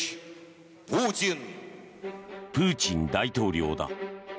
プーチン大統領だ。